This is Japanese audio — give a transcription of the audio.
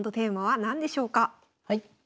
はい。